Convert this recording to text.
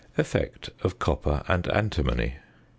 ~Effect of Copper and Antimony.